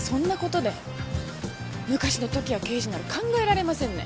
昔の時矢刑事なら考えられませんね。